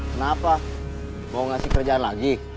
kenapa mau ngasih kerjaan lagi